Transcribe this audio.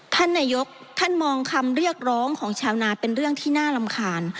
ท่านนายกท่านมองคำเรียกร้องของชาวนาเป็นเรื่องที่น่ารำคาญ